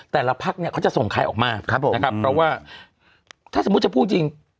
แต่ละพักเนี่ยเขาจะส่งใครออกมาครับผมนะครับเพราะว่าถ้าสมมุติจะพูดจริง